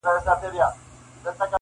ګنهكاره سوه سورنا، ږغ د ډولونو،